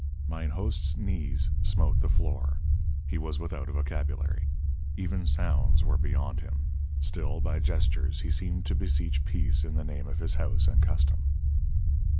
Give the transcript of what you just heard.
Mine host's knees smote the floor. He was without a vocabulary. Even sounds were beyond him. Still, by gestures he seemed to beseech peace in the name of his house and custom.